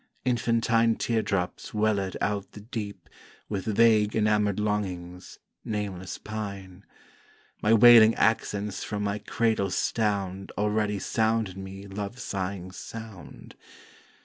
Infantine tear drops wellèd out the deep With vague enamoured longings, nameless pine: My wailing accents fro' my cradle stound Already sounded me love sighing sound.